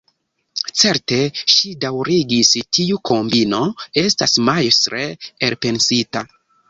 Certe, ŝi daŭrigis, tiu kombino estas majstre elpensita.